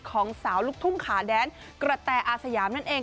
ของสาวลูกทุ่งขาแดนกระแตอาสยามนั่นเอง